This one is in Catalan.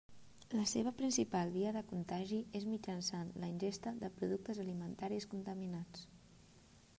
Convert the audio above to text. La seva principal via de contagi és mitjançant la ingesta de productes alimentaris contaminats.